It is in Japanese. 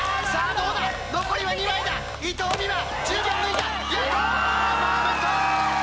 どうだ残りは２枚だ伊藤美誠１０番抜いたやったパーフェクト！